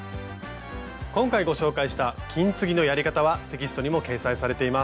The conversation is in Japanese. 今回ご紹介した金継ぎのやり方はテキストにも掲載されています。